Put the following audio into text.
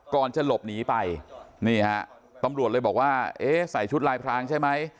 ก่อนจะหลบหนีไปนี่ฮะตำรวจเลยบอกว่าเอ๊ะใส่ชุดลายพรางใช่ไหม